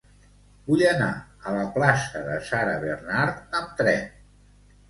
Vull anar a la plaça de Sarah Bernhardt amb tren.